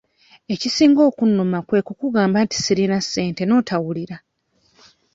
Ekisinga okunnuma kwe kukugamba nti sirina ssente n'otawulira.